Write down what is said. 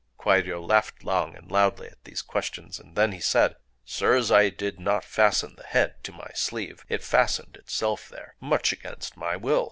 Kwairyō laughed long and loudly at these questions; and then he said:— "Sirs, I did not fasten the head to my sleeve: it fastened itself there—much against my will.